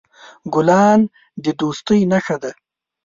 ګلان د دوستۍ نښه ده.